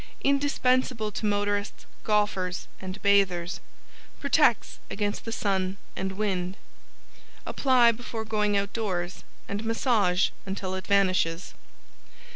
Indispensable to motorists, golfers and bathers. Protects against the sun and wind. Apply before going outdoors and massage until it vanishes.